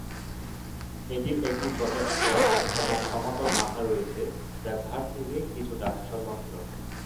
এটির একটি প্রশস্ত এবং সমতল মাথা রয়েছে যা ঘাড় থেকে কিছুটা স্বতন্ত্র।